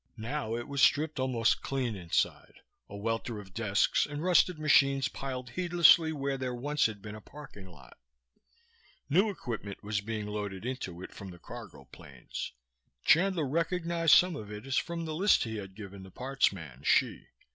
Now it was stripped almost clean inside, a welter of desks and rusted machines piled heedlessly where there once had been a parking lot. New equipment was being loaded into it from the cargo planes. Chandler recognized some of it as from the list he had given the parts man, Hsi.